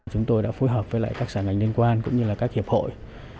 chúng tôi đã phối hợp với các sản ảnh liên quan cũng như các hiệp hội